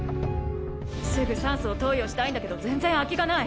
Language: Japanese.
すぐ酸素を投与したいんだけど全然空きがない。